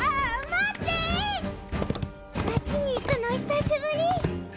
待って町に行くの久しぶり